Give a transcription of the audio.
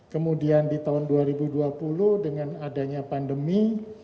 kemudian di tahun dua ribu dua puluh dengan adanya pandemi